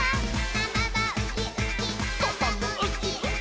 「ママはウキウキ」「パパもウキウキ」